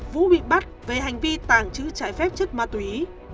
vũ bị bắt về hành vi tàng trữ trải phép chất má túy